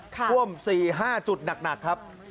ท่วม๔๕จุดหนักครับ